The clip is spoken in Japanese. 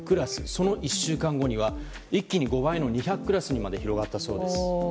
その１週間後には一気に５倍の２００クラスまで広がったそうです。